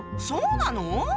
そうなの？